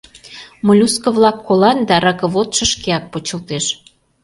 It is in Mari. Моллюско-влак колат да ракывотшо шкеак почылтеш.